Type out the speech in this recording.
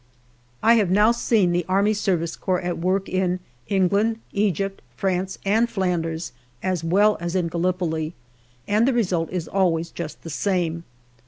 I have now seen the A.S.C. at work in England Egypt, France and Flanders, as well as in Gallipoli, and the result is always just the same.